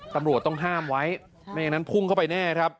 ตำรวจต้องห้ามไว้ไม่อย่างนั้นพุ่งเข้าไปแน่ครับ